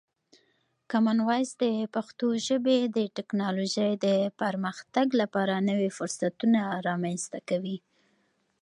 کامن وایس د پښتو ژبې د ټکنالوژۍ د پرمختګ لپاره نوی فرصتونه رامنځته کوي.